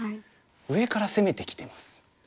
上から攻めてきてます。